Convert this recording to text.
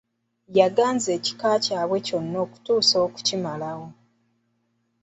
Yaganza ekika kyabwe kyonna okutuusa okimalawo.